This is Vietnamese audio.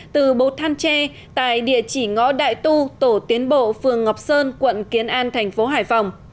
từ bộ thanh tre tại địa chỉ ngõ đại tu tổ tiến bộ phường ngọc sơn quận kiến an tp hcm